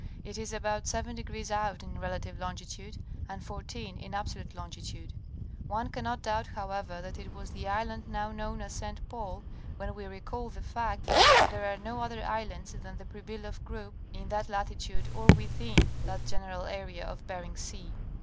It is about seven degrees out in relative longitude and fourteen in absolute longitude. One cannot doubt however that it was the island now known as St. Paul when we recall the fact that there are no other islands than the Pribiloff group, in that latitude or within that general area of Bering Sea.